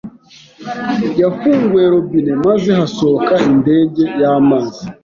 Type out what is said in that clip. Yafunguye robine maze hasohoka indege y'amazi.